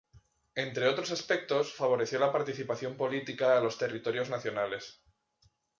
Entre otros aspectos favoreció la participación política a los territorios Nacionales.